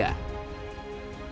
dan pendidikan yang berkualitas